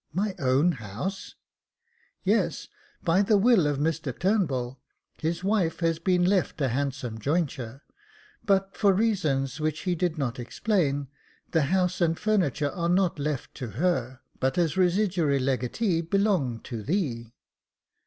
" My own house !"" Yes ; by the will of Mr Turnbull, his wife has been left a handsome jointure, but, for reasons which he did not explain, the house and furniture are not left to her, but, as residuary legatee, belong to thee."